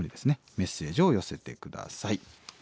メッセージを寄せて下さい。